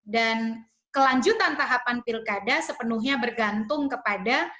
dan kelanjutan tahapan pilkada sepenuhnya bergantung kepada